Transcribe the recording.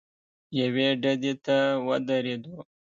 یوې ډډې ته ودرېدو.